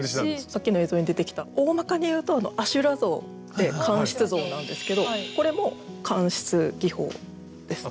さっきの映像に出てきたおおまかに言うと阿修羅像って乾漆像なんですけどこれも乾漆技法ですね。